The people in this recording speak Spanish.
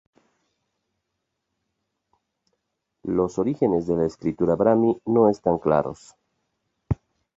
Los orígenes de la escritura brahmi no están claros.